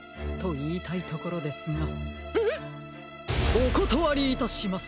おことわりいたします！